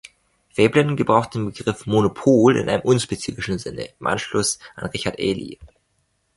Veblen gebraucht den Begriff "Monopol" in einem unspezifischen Sinne, im Anschluss an Richard Ely.